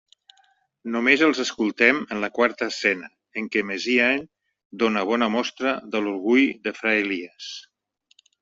Només els escoltem en la quarta escena, en què Messiaen dóna bona mostra de l'orgull de fra Elies.